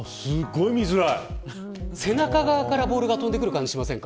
背中側からボールが飛んでくる感じがしませんか。